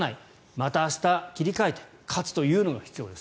また明日切り替えて勝つというのが必要です。